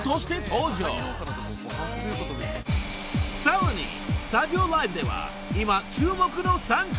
［さらにスタジオライブでは今注目の３組も］